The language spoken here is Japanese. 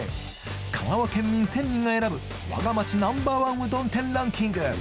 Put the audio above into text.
香川県民１０００人が選ぶわが町ナンバーワンうどん店ランキング